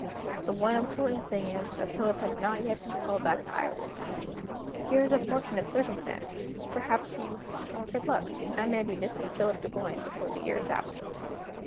The one important thing is, that Philip has not been called back to Ireland. Here is a fortunate circumstance, which perhaps means more good luck. I may be Mrs. Philip Dunboyne before the year is out.